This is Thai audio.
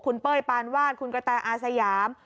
คุณเป้ยปานวาดคุณกระแตอาสยาม